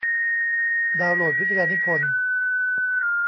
ดาวน์โหลดวิทยานิพนธ์